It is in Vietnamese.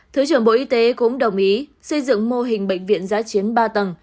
thứ trưởng bộ y tế cũng đồng ý xây dựng mô hình bệnh viện giá chiến ba tầng